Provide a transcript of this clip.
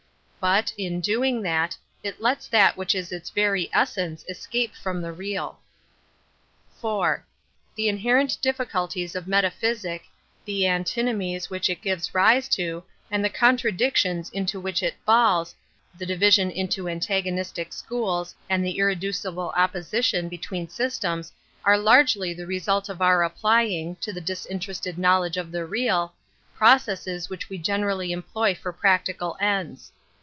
But, in doing that, it lets that Metaphysics 67 which is its very essence escape from the real. IV. The inherent difficulties of meta physic, the antinomies which it gives rise ixTy and the contradictions into which it falls, the division into antagonistic schools, and the irreducible opposition between systems are largely the result of our applying,^ to the disinterested knowledge of the real, processes which we generally em ploy_ f or practical ends.